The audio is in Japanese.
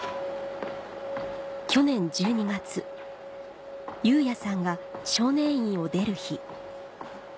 去年１２月ユウヤさんが少年院を出る日